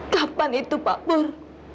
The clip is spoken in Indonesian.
kapan itu pak pur